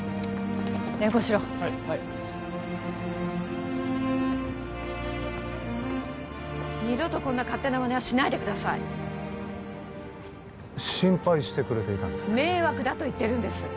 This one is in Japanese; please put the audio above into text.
連行しろはい二度とこんな勝手なまねはしないでください心配してくれていたんですね迷惑だと言ってるんです